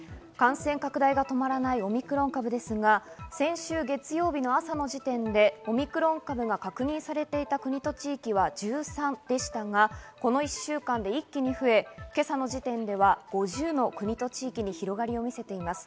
感染拡大が止まらないオミクロン株ですが、先週月曜日の朝の時点でオミクロン株が確認されていた国と地域は１３でしたが、この１週間で一気に増え、今朝の時点では５０の国と地域に広がりを見せています。